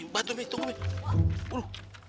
bantu umi tunggu umi